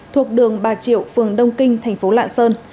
thuộc đường bà triệu phường đông kinh thành phố lạng sơn